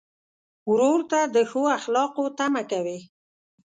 ورور ته د ښو اخلاقو تمه کوې.